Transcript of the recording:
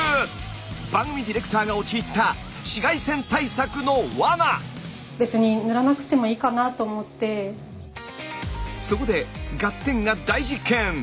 番組ディレクターが陥ったそこで「ガッテン！」が大実験。